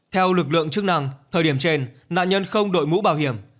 theo lực lượng chức năng thời điểm trên nạn nhân không đội mũ bảo hiểm